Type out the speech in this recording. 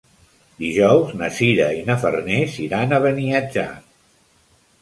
Dijous na Sira i na Farners iran a Beniatjar.